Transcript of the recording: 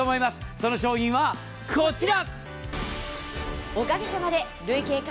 その商品は、こちら！